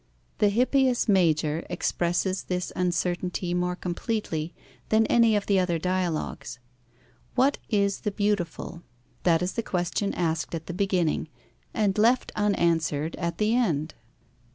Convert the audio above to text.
The Hippias major expresses this uncertainty more completely than any of the other dialogues. What is the beautiful? That is the question asked at the beginning, and left unanswered at the end.